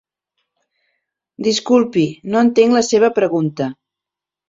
Disculpi, no entenc la seva pregunta.